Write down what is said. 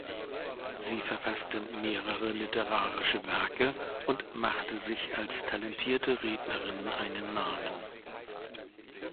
Sie verfasste mehrere literarische Werke und machte sich als talentierte Rednerin einen Namen.